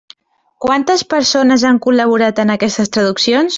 Quantes persones han col·laborat en aquestes traduccions?